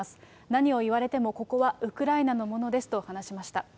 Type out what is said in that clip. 何を言われても、ここはウクライナのものですと話しました。